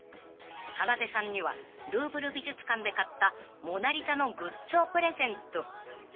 ［かなでさんにはルーブル美術館で買った『モナ・リザ』のグッズをプレゼント］